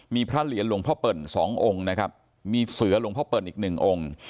มีพระเหรียญหลวงพ่อเปิ่นสององค์นะครับมีเสือหลวงพ่อเปิ่นอีกหนึ่งองค์